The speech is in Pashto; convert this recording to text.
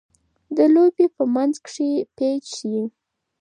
د لوبي په منځ کښي پېچ يي.